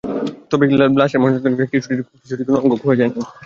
তবে লাশের ময়নাতদন্ত করে জানা যায়, কিশোরটির কোনো অঙ্গ খোয়া যায়নি।